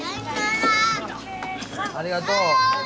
ありがとう。